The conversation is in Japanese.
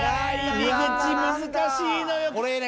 入り口難しいのよ